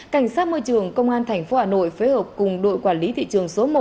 cảnh sát môi trường công an thành phố hà nội phế hợp cùng đội quản lý thị trường số một